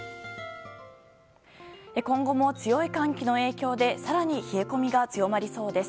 今後も強い寒気の影響で更に冷え込みが強まりそうです。